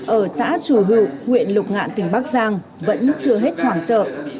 ở xã chùa hữu huyện lục ngạn tỉnh bắc giang vẫn chưa hết khoảng trợ